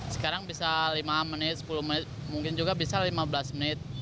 sekarang bisa lima menit sepuluh menit mungkin juga bisa lima belas menit